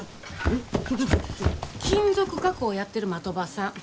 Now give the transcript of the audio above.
金属加工やってる的場さん。